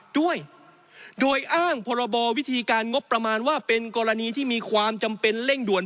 ด้วยโดยอ้างพรบวิธีการงบประมาณว่าเป็นกรณีที่มีความจำเป็นเร่งด่วน